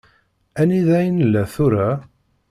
Anida i nella tura?